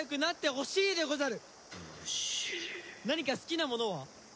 何か好きなものは？